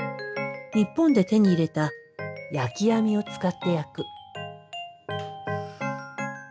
日本で手に入れた焼き網を使って焼く。